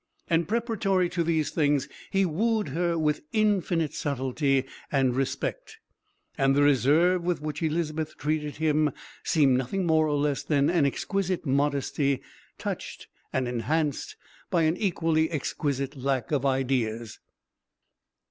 And preparatory to these things he wooed her with infinite subtlety and respect. And the reserve with which Elizabeth treated him seemed nothing more nor less than an exquisite modesty touched and enhanced by an equally exquisite lack of ideas.